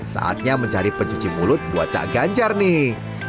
saatnya mencari pencuci mulut buat cak ganjar nih